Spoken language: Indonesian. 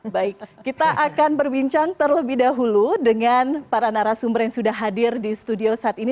baik kita akan berbincang terlebih dahulu dengan para narasumber yang sudah hadir di studio saat ini